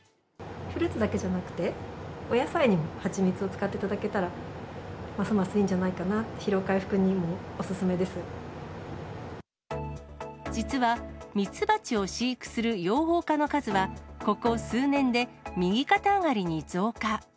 フルーツだけじゃなくて、お野菜にもはちみつを使っていただけたら、ますますいいんじゃないかな、実は、蜜蜂を飼育する養蜂家の数は、ここ数年で右肩上がりに増加。